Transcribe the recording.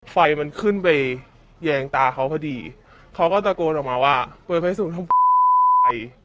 ไฟมันขึ้นไปแยงตาเขาพอดีเขาก็ตะโกนออกมาว่าเปิดไฟสูงทำไม